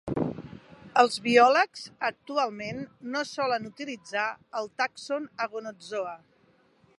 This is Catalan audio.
Els biòlegs actualment no solen utilitzar el tàxon Agnotozoa.